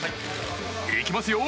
いきますよ！